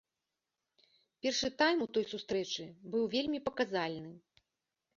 Першы тайм у той сустрэчы быў вельмі паказальны.